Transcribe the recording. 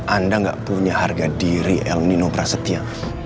anda nggak punya harga diri el nino prasetya